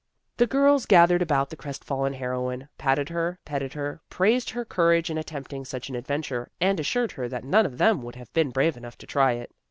The girls gathered about the crestfallen heroine, patted her, petted her, praised her courage in attempting such an adventure, and assured her that none of them would have been brave enough to try it.